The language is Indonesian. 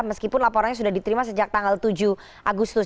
meskipun laporannya sudah diterima sejak tanggal tujuh agustus